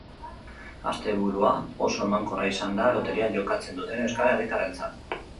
Asteburua oso emankorra izan da loteria jokatzen duten euskal herritarrentzat.